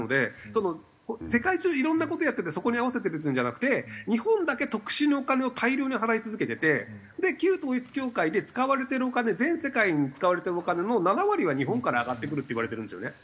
その世界中いろんな事やっててそこに合わせてるっていうんじゃなくて日本だけ特殊にお金を大量に払い続けてて旧統一教会で使われてるお金全世界に使われてるお金の７割は日本から上がってくるっていわれてるんですよね。